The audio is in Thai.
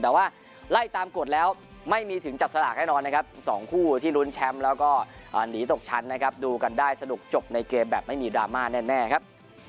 แต่ว่าไล่ตามกฎแล้วไม่มีถึงจับสลากแน่นอนนะครับ๒คู่ที่ลุ้นแชมป์แล้วก็หนีตกชั้นนะครับดูกันได้สนุกจบในเกมแบบไม่มีดราม่าแน่ครับ